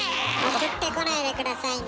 送ってこないで下さいね。